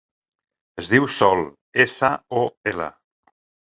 Es diu Sol: essa, o, ela.